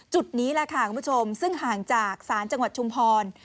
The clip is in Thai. จุดนี้แหละค่ะคุณผู้ชมซึ่งห่างจากศาลจังหวัดชุมพร